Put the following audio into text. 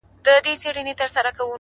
تش په نامه دغه ديدار وچاته څه وركوي’